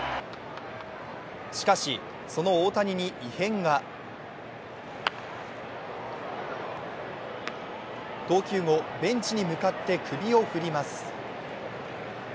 しかし、その大谷に異変が投球後、ベンチに向かって首を振ります。